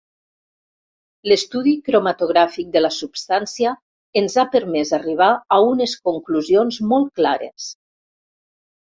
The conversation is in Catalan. L'estudi cromatogràfic de la substància ens ha permès arribar a unes conclusions molt clares.